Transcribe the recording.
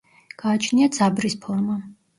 გააჩნია ძაბრის ფორმა.